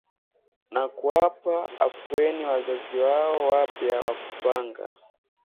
na kuwapa afueni wazazi wao wapya wa kupanga